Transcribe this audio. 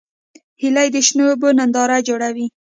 هیلۍ د شنو اوبو ښکلې ننداره جوړوي